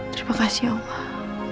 terima kasih ya allah